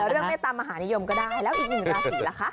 เรื่องเมตตามหานิยมก็ได้แล้วอีกหนึ่งราศีล่ะคะ